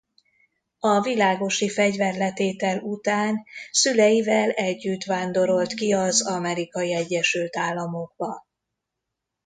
A világosi fegyverletétel után szüleivel együtt vándorolt ki az Amerikai Egyesült Államokba.